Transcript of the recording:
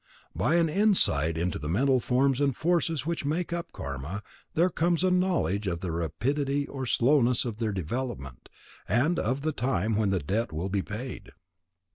By an insight into the mental forms and forces which make up Karma, there comes a knowledge of the rapidity or slowness of their development, and of the time when the debt will be paid.